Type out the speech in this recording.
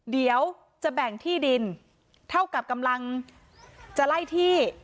เดี๋ยวจะแบ่งที่ดินเท่ากับกำลังจะไล่ที่